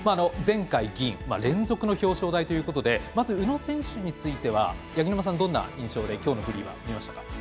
前回は銀連続の表彰台ということでまず宇野選手については八木沼さん、どんな印象できょうのフリーは見ましたか？